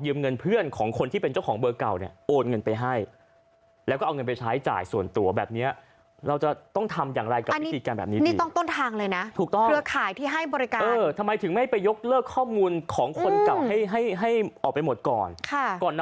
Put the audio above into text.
ถูกต้องแล้วไปโผล่ในมือถือของคุณ